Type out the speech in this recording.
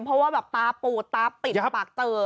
เพราะว่าแบบตาปูดตาปิดปากเตอ